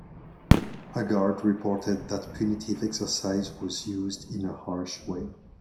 A guard reported that punitive exercise was used in a harsh way.